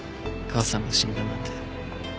母さんが死んだなんて。